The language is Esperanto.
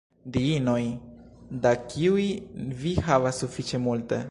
Diinoj, da kiuj vi havas sufiĉe multe.